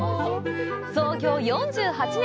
創業４８年。